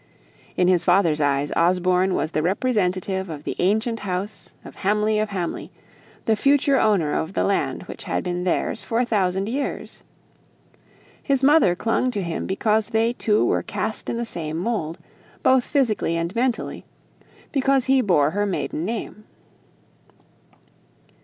In his father's eyes, Osborne was the representative of the ancient house of Hamley of Hamley, the future owner of the land which had been theirs for a thousand years. His mother clung to him because they two were cast in the same mould, both physically and mentally because he bore her maiden name.